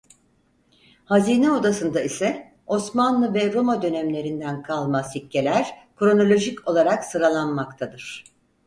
Hazine Odasında ise Osmanlı ve Roma dönemlerinden kalma sikkeler kronolojik olarak sıralanmaktadır.